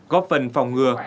góp phần phòng ngừa